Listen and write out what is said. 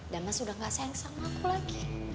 dan mas sudah gak sayang sama aku lagi